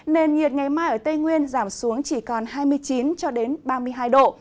nền nhiệt ngày mai ở tây nguyên giảm xuống chỉ còn hai mươi chín ba mươi hai độ